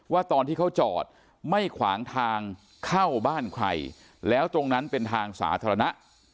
ว่าตอนที่เขาจอดไม่ขวางทางเข้าบ้านใครแล้วตรงนั้นเป็นทางสาธารณะ